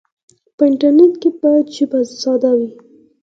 په انټرنیټ کې باید ژبه ساده وي.